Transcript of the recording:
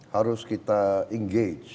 harus kita engage